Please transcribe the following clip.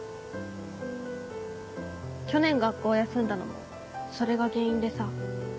去年学校を休んだのもそれが原因でさ。